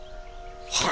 はい！